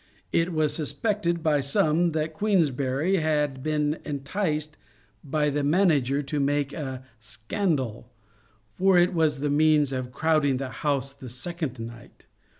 It was sus pected by some that Queensberry had been enticed by the manager to make a *' scandal," for it was the means of crowd* ing the house the second night.